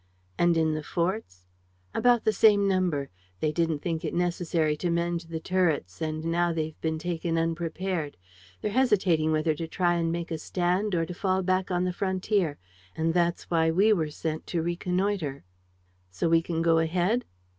"And in the forts?" "About the same number. They didn't think it necessary to mend the turrets and now they've been taken unprepared. They're hesitating whether to try and make a stand or to fall back on the frontier; and that's why we were sent to reconnoiter." "So we can go ahead?"